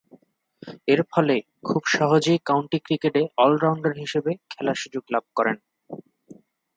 এরফলে খুব সহজেই কাউন্টি ক্রিকেটে অল-রাউন্ডার হিসেবে খেলার সুযোগ লাভ করেন।